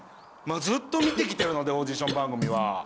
ずっと見てきてるのでオーディション番組は。